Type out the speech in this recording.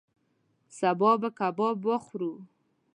سبا به کباب وخورو